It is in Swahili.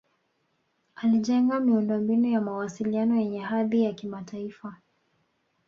alijenga miundo mbinu ya mawasiliano yenye hadhi ya kimataifa